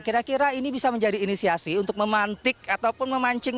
kira kira ini bisa menjadi inisiasi untuk memantik ataupun memancing